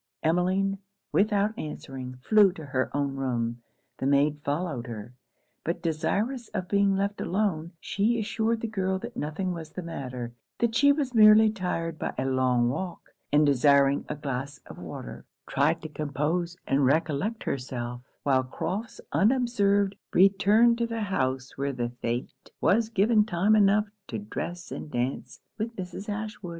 Emmeline, without answering, flew to her own room. The maid followed her: but desirous of being left alone, she assured the girl that nothing was the matter; that she was merely tired by a long walk; and desiring a glass of water, tried to compose and recollect herself; while Crofts unobserved returned to the house where the fête was given time enough to dress and dance with Mrs. Ashwood.